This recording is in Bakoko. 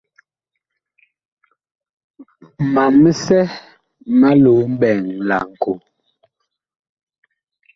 Mam misɛ ma loo mɓɛɛŋ laŋkoo.